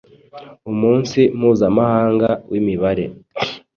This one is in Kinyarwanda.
Umunsi Mpuzamahanga w’Imibare